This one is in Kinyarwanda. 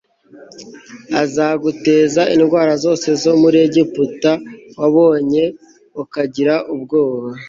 azaguteza indwara zose zo muri egiputa wabonye ukagira ubwoba